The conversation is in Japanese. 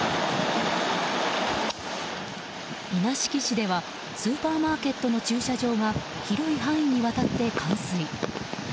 稲敷市ではスーパーマーケットの駐車場が広い範囲にわたって冠水。